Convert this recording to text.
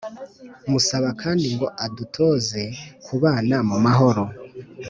musaba kandi ngo adutoze kubana mu mahoro